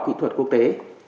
kỹ thuật quốc tế